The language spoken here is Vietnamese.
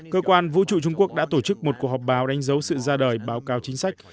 cơ quan vũ trụ trung quốc đã tổ chức một cuộc họp báo đánh dấu sự ra đời báo cáo chính sách